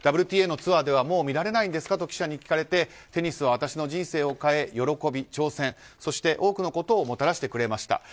ＷＴＡのツアーではもう見られないんですかと記者に聞かれてテニスは私の人生を変え喜び、挑戦そして、多くのことをもたらしてくれました。